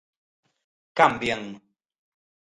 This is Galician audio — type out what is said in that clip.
Cambian.